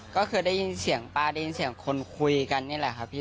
ก็คือได้ยินเสียงป้าได้ยินเสียงคนคุยกันนี่แหละครับพี่